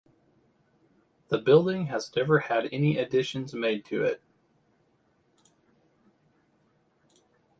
The building has never had any additions made to it.